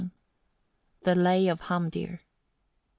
] THE LAY OF HAMDIR. 1.